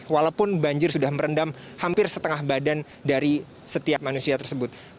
walaupun banjir sudah merendam hampir setengah badan dari setiap manusia tersebut